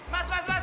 mas masuk nih mas